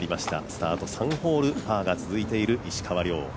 スタート３ホール、パーが続いている石川遼。